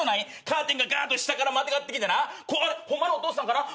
カーテンがガーッと下からまたがってきてなホンマのお父さんかな？